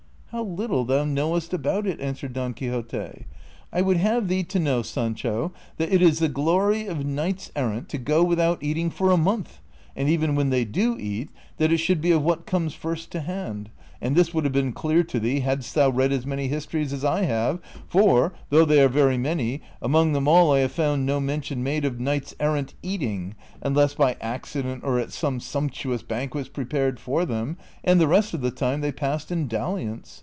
" How little thou knowest about it," answered Don Quixote ;" I would have thee to know, 8ancho, that it is the glory of knights errant to go without eating for a month, and even when they do eat, that it should be of what comes first to hand; and this would have been clear to thee liadst thou read as many histories as I have, for, though they are very many, among them all I have found no mention made of knights errant eating, unless by accident or at some sump tuous banquets prepared for them, and the rest of the time they passed in dalliance.